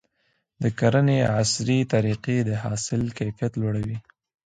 د کرنې عصري طریقې د حاصل کیفیت لوړوي.